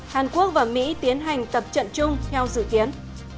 hàn quốc và mỹ tiến hành tập trận chung theo dự kiến